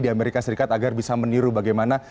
di amerika serikat agar bisa meniru bagaimana